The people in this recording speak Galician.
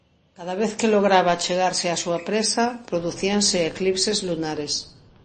Cada vez que lograba achegarse á súa presa producíanse eclipses lunares.